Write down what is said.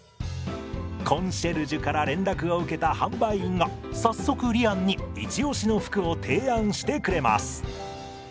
コンシェルジュから連絡を受けた販売員が早速りあんにイチ押しの服を提案してくれます。